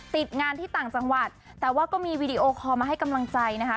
ติดงานที่ต่างจังหวัดแต่ว่าก็มีวีดีโอคอลมาให้กำลังใจนะคะ